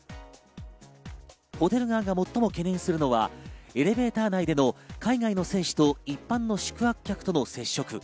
ホテル側が最も懸念するのはエレベーター内での海外の選手と一般の宿泊客との接触。